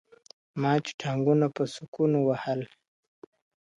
ما چي ټانګونه په سوکونو وهل.